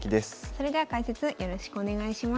それでは解説よろしくお願いします。